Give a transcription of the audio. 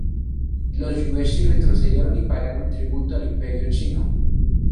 Los Yuezhi retrocedieron y pagaron tributo al Imperio chino.